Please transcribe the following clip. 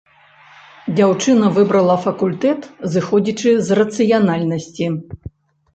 Дзяўчына выбрала факультэт, зыходзячы з рацыянальнасці.